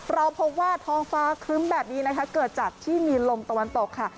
เราพบว่าท้องฟ้าครึ้มแบบนี้นะคะเกิดจากที่มีลมตะวันตกค่ะ